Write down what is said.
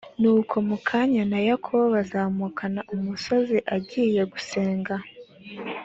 nuko mu kanya na yakobo bazamukana umusozi agiye gusenga